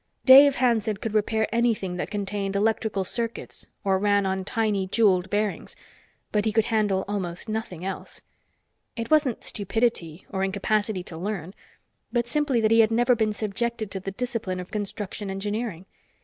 Dave Hanson could repair anything that contained electrical circuits or ran on tiny jeweled bearings, but he could handle almost nothing else. It wasn't stupidity or incapacity to learn, but simply that he had never been subjected to the discipline of construction engineering.